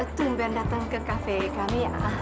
tungguin datang ke kafe kami ya